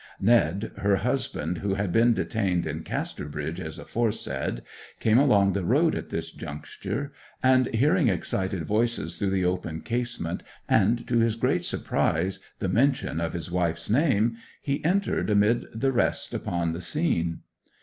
Ned, her husband, who had been detained in Casterbridge, as aforesaid, came along the road at this juncture, and hearing excited voices through the open casement, and to his great surprise, the mention of his wife's name, he entered amid the rest upon the scene.